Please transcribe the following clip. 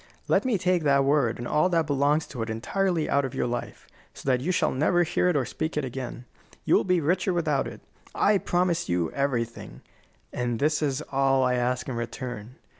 Let me take that word and all that belongs to it entirely out of your life, so that you shall never hear it or speak it again. You will be richer without it. I promise you everything, and this is all I ask in return.